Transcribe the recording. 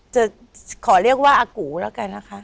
จะขอเรียกว่าอากูแล้วกันนะคะ